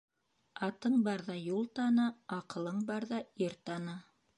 Атың барҙа юл таны, аҡылың барҙа ир таны.